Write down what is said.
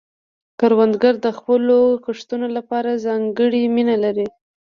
کروندګر د خپلو کښتونو لپاره ځانګړې مینه لري